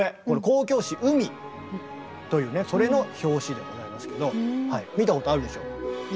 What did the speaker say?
交響詩「海」というねそれの表紙でございますけど見たことあるでしょ？